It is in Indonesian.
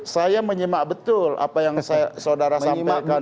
saya menyimak betul apa yang saudara sampaikan